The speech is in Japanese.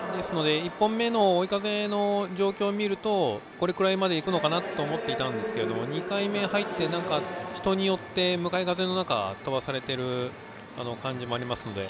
１本目の追い風の状況を見るとこれくらいまでいくのかなと思っていたんですが２回目に入って人によっては向かい風の中で飛ばされている感じもありますので。